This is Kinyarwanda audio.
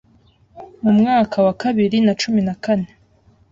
mu mwaka wa bibiri na cumi na kane